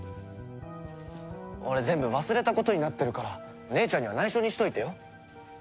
俺全部忘れたことになってるから姉ちゃんには内緒にしといてよ。